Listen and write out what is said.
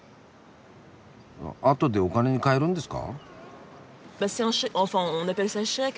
あとでお金に換えるんですか？